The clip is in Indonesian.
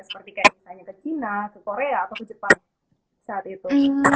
seperti kayak misalnya ke china ke korea atau ke jepang saat itu